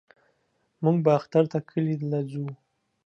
موږ به اختر ته کلي له زو.